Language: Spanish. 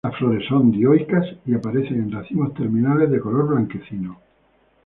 Las flores son dioicas, y aparecen en racimos terminales de color blanquecino.